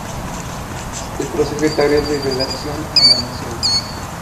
Es prosecretario de Redacción en "La Nación".